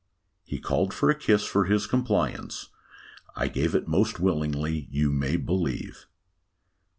He called for a kiss, for his compliance. I gave it most willingly, you may believe.